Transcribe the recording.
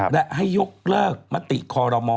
และให้ยกเลิกมติคอรมอ